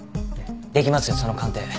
できますよその鑑定。